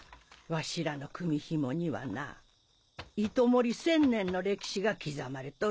わしらの組紐にはな糸守千年の歴史が刻まれとる。